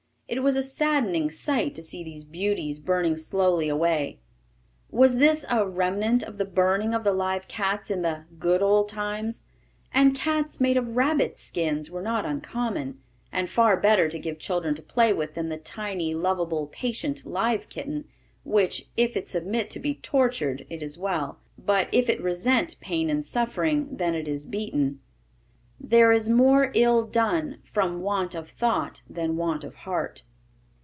It was a saddening sight to see these beauties burning slowly away. Was this a "remnant" of the burning of the live cats in the "good old times?" And cats made of rabbits' skins were not uncommon, and far better to give children to play with than the tiny, lovable, patient, live kitten, which, if it submit to be tortured, it is well, but if it resent pain and suffering, then it is beaten. There is more ill done "from want of thought than want of heart."